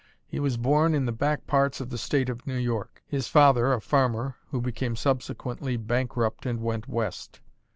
He was born in the back parts of the State of New York; his father a farmer, who became subsequently bankrupt and went West.